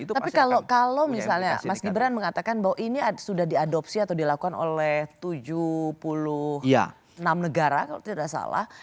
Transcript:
tapi kalau misalnya mas gibran mengatakan bahwa ini sudah diadopsi atau dilakukan oleh tujuh puluh enam negara kalau tidak salah